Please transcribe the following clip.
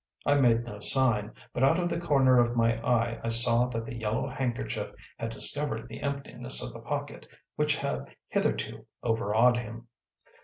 I made no sign, but out of the corner of my eye I saw that the Yellow Handkerchief had discovered the emptiness of the pocket which had hitherto overawed him.